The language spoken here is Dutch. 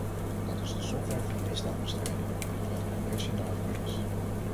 Dat is de software van de misdaadbestrijding, terwijl de repressie de hardware is.